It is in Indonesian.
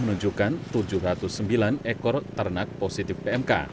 menunjukkan tujuh ratus sembilan ekor ternak positif pmk